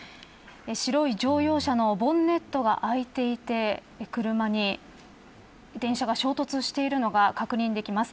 白い乗用車のボンネットが開いていて車に電車が衝突しているのが確認できます。